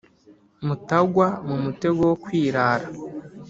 mutagwa mu mutego wo kwirara!